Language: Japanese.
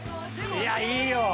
いやいいよ。